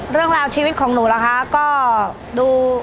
เรื่องราวชีวิตของหนูล่ะคะก็ดู